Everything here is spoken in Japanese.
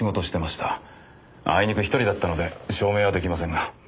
あいにく一人だったので証明は出来ませんが。